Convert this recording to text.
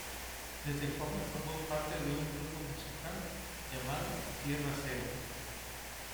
Desde joven formó parte de un grupo musical, llamado "Tierra Cero".